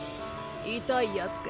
痛いやつか？